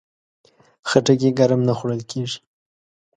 خټکی ګرم نه خوړل کېږي.